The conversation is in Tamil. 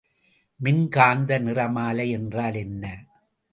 மின் காந்த நிறமாலை என்றால் என்ன?